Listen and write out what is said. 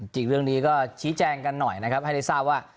จริงเรื่องนี้ก็ชี้แจงกันหน่อยนะครับให้ได้ทราบว่า